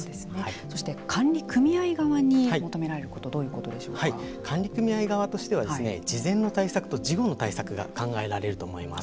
そして管理組合側に求められること管理組合側は事前の対策と事後の対策が考えられると思います。